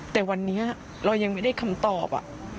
แต่วันนี้เรายังไม่ได้คำตอบ